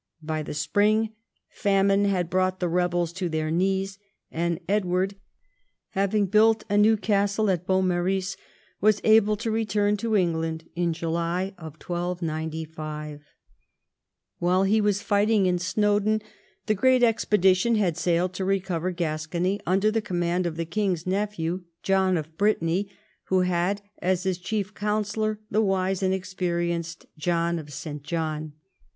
By the spring, famine had brought the rebels to their knees, and Edward, hav ing built a new castle at Beaumaris, was able to return to England in May 1295. While he was fighting in XI THE YEARS OF CRISIS 187 Snowdon the great expedition had sailed to recover Gascony under the command of the king's nephew, John of Brittany, who had as his chief councillor the wise and experienced John of Saint John.